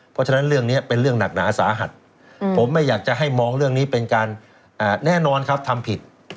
เพราะฉะนั้นเรื่องนี้เป็นเรื่องหนักหนาสาหัสผมไม่อยากจะให้มองเรื่องนี้เป็นการแน่นอนครับทำผิด